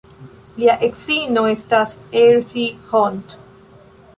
Lia edzino estis Erzsi Hont.